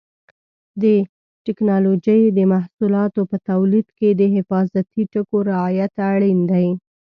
د ټېکنالوجۍ د محصولاتو په تولید کې د حفاظتي ټکو رعایت اړین دی.